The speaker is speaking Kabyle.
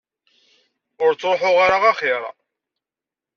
Ur ttruḥeɣ ara axir.